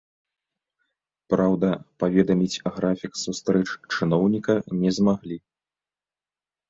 Праўда, паведаміць графік сустрэч чыноўніка не змаглі.